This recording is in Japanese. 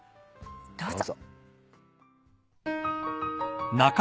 どうぞ。